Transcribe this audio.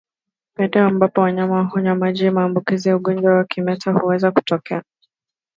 Maeneo ambapo wanyama hunywa maji maambukizi ya ugonjwa wa kimeta huweza kutokea